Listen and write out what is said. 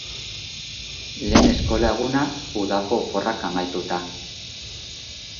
Lehen eskola eguna, udako oporrak amaituta.